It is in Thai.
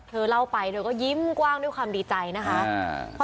เล่าไปเธอก็ยิ้มกว้างด้วยความดีใจนะคะ